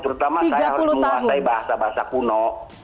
terutama saya harus menguasai bahasa bahasa kuno